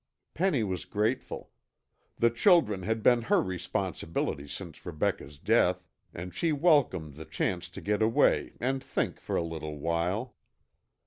Penny was grateful. The children had been her responsibility since Rebecca's death, and she welcomed the chance to get away and think for a little while.